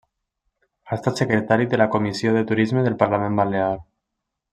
Ha estat secretari de la Comissió de Turisme del Parlament Balear.